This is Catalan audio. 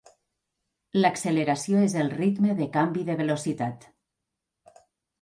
L'acceleració és el ritme de canvi de velocitat.